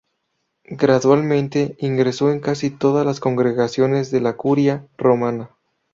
Gradualmente ingresó en casi todas las congregaciones de la Curia romana.